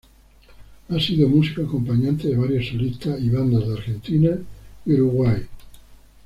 Ha sido músico acompañante de varios solistas y bandas de Argentina y Uruguay.